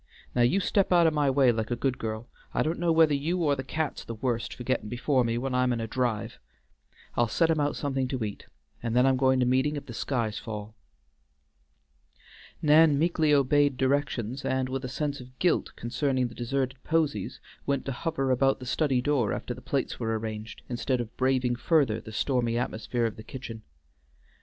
Now you step out o' my way like a good girl. I don't know whether you or the cat's the worst for gettin' before me when I'm in a drive. I'll set him out somethin' to eat, and then I'm goin' to meetin' if the skies fall." Nan meekly obeyed directions, and with a sense of guilt concerning the deserted posies went to hover about the study door after the plates were arranged, instead of braving further the stormy atmosphere of the kitchen.